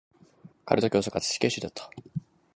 カルト教祖かつ死刑囚だった。